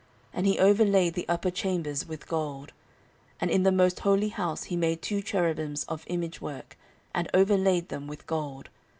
And he overlaid the upper chambers with gold. 14:003:010 And in the most holy house he made two cherubims of image work, and overlaid them with gold.